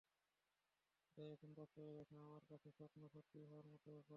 সেটাই এখন বাস্তবে দেখা, আমার কাছে স্বপ্ন সত্যি হওয়ার মতো ব্যাপার।